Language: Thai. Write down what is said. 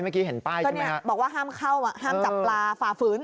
เมื่อกี้เห็นป้ายก็เนี่ยบอกว่าห้ามเข้าห้ามจับปลาฝ่าฝืน